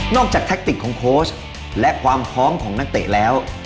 จากแทคติกของโค้ชและความพร้อมของนักเตะแล้ว